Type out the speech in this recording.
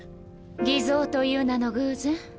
偽造という名の偶然？